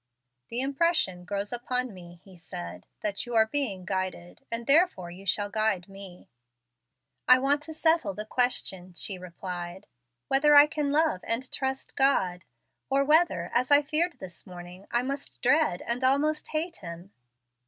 "The impression grows upon me," he said, "that you are being guided, and therefore you shall guide me." "I want to settle the question," she replied, "whether I can love and trust God; or whether, as I feared this morning, I must dread and almost hate Him.